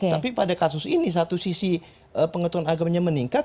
tapi pada kasus ini satu sisi pengetahuan agamanya meningkat